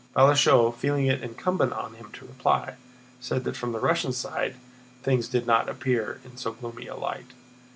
Balashëv, feeling it incumbent on him to reply, said that from the Russian side things did not appear in so gloomy a light.